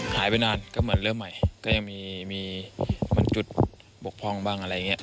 หายไปนานก็เหมือนเริ่มใหม่ก็ยังมีเหมือนจุดบกพร่องบ้างอะไรอย่างนี้